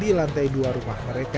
di lantai dua rumah mereka